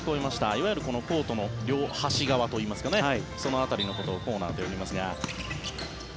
いわゆるコートの両端側といいますかその辺りのことをコーナーと呼びますが。